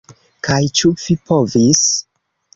Kaj ĉu vi povis?